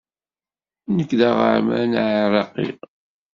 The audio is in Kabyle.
Nekk d aɣerman aɛiraqi.